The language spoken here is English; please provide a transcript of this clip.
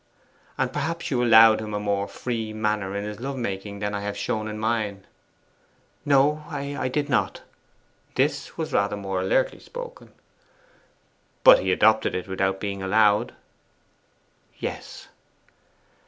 'And perhaps you allowed him a more free manner in his love making than I have shown in mine.' 'No, I did not.' This was rather more alertly spoken. 'But he adopted it without being allowed?' 'Yes.